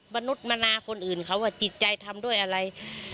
มนุษย์มนาคนอื่นเขาว่าจิตใจทำด้วยอะไร